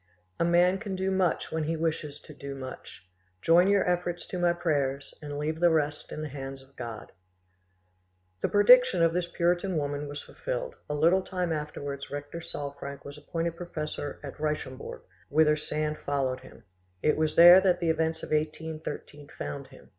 "A man can do much when he wishes to do much: join your efforts to my prayers, and leave the rest in the hands of God." The prediction of this Puritan woman was fulfilled: a little time afterwards rector Salfranck was appointed professor at Richembourg, whither Sand followed him; it was there that the events of 1813 found him.